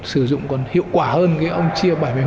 sử dụng còn hiệu quả hơn cái ông chia bảy mươi m hai